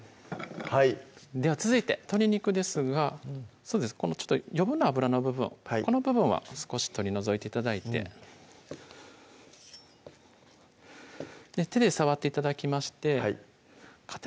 はいでは続いて鶏肉ですが余分な脂の部分この部分は少し取り除いて頂いて手で触って頂きましてはい